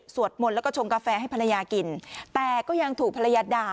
มนต์แล้วก็ชงกาแฟให้ภรรยากินแต่ก็ยังถูกภรรยาด่า